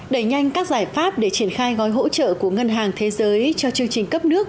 đẩy nhanh các giải pháp để triển khai gói hỗ trợ của ngân hàng thế giới cho chương trình cấp nước